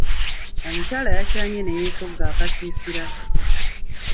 Omukyala yakyamye ne yeesogga akasiisira.